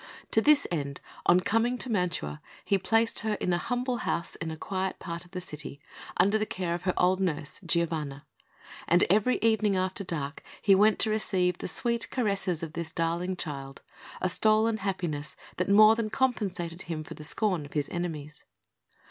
To this end, on coming to Mantua, he placed her in a humble house in a quiet part of the city, under the care of her old nurse, Giovanna; and every evening after dark he went to receive the sweet caresses of this darling child, a stolen happiness that more than compensated him for the scorn of his enemies.